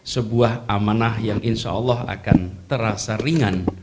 sebuah amanah yang insya allah akan terasa ringan